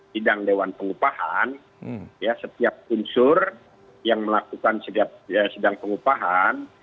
sidang dewan pengupahan setiap unsur yang melakukan sidang pengupahan